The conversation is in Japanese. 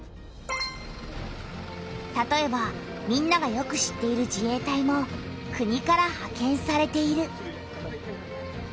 たとえばみんながよく知っている自衛隊も国からはけんされている。